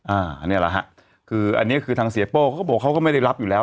อันนี้แหละฮะคืออันนี้คือทางเสียโป้เขาก็บอกเขาก็ไม่ได้รับอยู่แล้ว